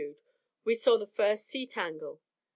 we saw the first sea tangle.